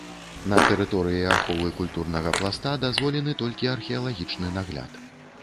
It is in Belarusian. На тэрыторыі аховы культурнага пласта дазволены толькі археалагічны нагляд.